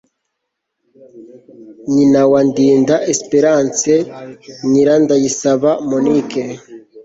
nyinawandinda espérence nyirandayisaba monique